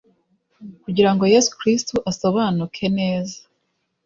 Kugira ngo Yesu Kristo asobanuke neza